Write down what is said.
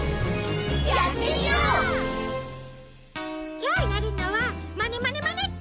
きょうやるのは「まねまねまねっこ」。